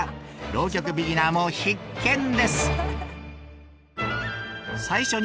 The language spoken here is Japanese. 浪曲ビギナーも必見です。